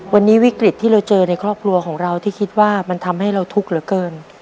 วันนี้วิกฤตที่เราเจอในครอบครัวของเราที่คิดว่ามันทำให้เราทุกข์เหลือเกิน